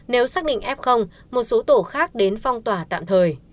nếu xác định f một số tổ khác đến phong tỏa tạm thời